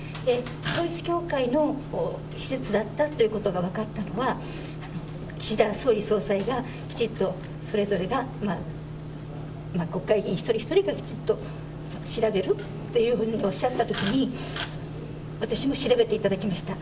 統一教会の施設だったということが分かったのは、岸田総理総裁が、きちっとそれぞれが、国会議員一人一人がきちっと調べるというふうにおっしゃったときに、私も調べていただきました。